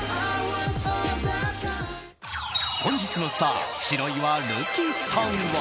本日のスター、白岩瑠姫さんは。